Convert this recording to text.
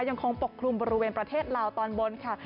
ยังคงปกคลุมบริเวณประเทศลาวตอนบนค่ะ